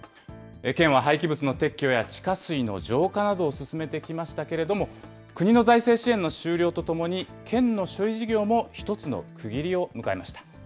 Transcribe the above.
県は廃棄物の撤去や、地下水の浄化などを進めてきましたけれども、国の財政支援の終了とともに、県の処理事業も１つの区切りを迎えました。